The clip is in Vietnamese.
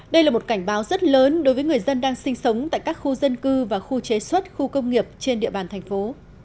đây là một cảnh báo rất lớn đối với người dân đang sinh sống tại các khu dân cư và khu chế xuất khu công nghiệp trên địa bàn thành phố